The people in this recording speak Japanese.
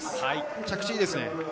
着地いいですね。